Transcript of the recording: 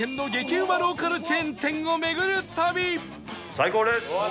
最高です！